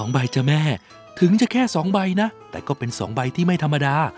ใบจ้ะแม่ถึงจะแค่๒ใบนะแต่ก็เป็น๒ใบที่ไม่ธรรมดา